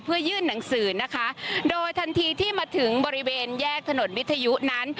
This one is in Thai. เพื่อยื่นหนังสือนะคะโดยทันทีที่มาถึงบริเวณแยกถนนวิทยุนั้น